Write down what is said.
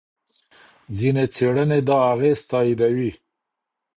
ځینې څېړنې دا اغېز تاییدوي.